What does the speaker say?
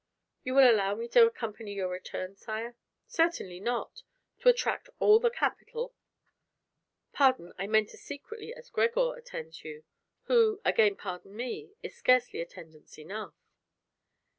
"You will allow me to accompany your return, sire?" "Certainly not, to attract all the capital!" "Pardon, I meant as secretly as Gregor attends you; who again pardon me is scarcely attendance enough."